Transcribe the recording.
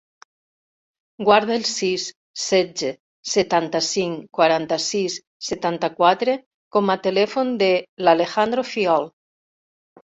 Guarda el sis, setze, setanta-cinc, quaranta-sis, setanta-quatre com a telèfon de l'Alejandro Fiol.